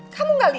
kamu gak liat